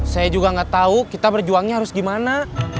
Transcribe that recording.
saya juga gak tau kita berjuangnya harus gimana